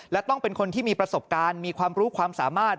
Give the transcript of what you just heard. และต้องเป็นคนที่มีประสบการณ์มีความรู้ความสามารถ